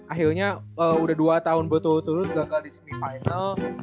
akhirnya udah dua tahun berturut turut gagal di semifinal